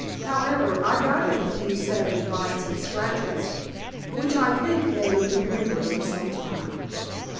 However, I got in a few savage bites and scratches, which I think they remembered for some time.